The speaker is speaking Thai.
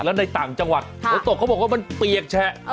แล้วในต่างจังหวัดฝนตกเขาบอกว่ามันเปียกแฉะ